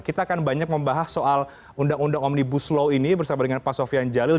kita akan banyak membahas soal undang undang omnibus law ini bersama dengan pak sofian jalil